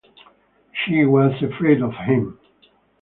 She was afraid of him.